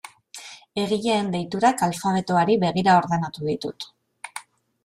Egileen deiturak alfabetoari begira ordenatu ditut.